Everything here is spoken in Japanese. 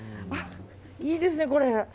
いいですね、これ。